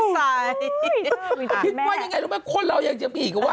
คิดว่ายังไงรู้ไหมคนเรายังจะบีบว่